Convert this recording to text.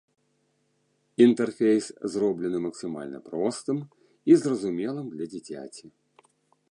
Інтэрфейс зроблены максімальна простым і зразумелым для дзіцяці.